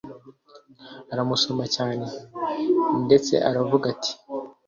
aramusoma cyane ndetse aravuga ati